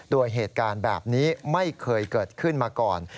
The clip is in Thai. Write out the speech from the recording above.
โดยเหตุการณ์แบบนี้ไม่เคยเกิดขึ้นมาก่อน